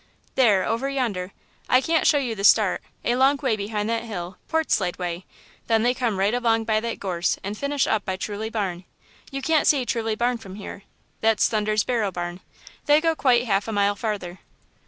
"There, over yonder. I can't show you the start, a long way behind that hill, Portslade way; then they come right along by that gorse and finish up by Truly barn you can't see Truly barn from here, that's Thunder's barrow barn; they go quite half a mile farther."